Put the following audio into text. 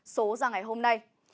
số ra ngày hôm nay